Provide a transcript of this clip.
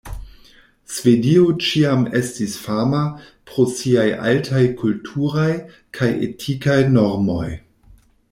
Svedio ĉiam estis fama pro siaj altaj kulturaj kaj etikaj normoj.